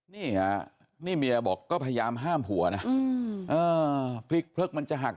นี่ฮะนี่เมียบอกก็พยายามห้ามผัวนะพลิกเพลิกมันจะหัก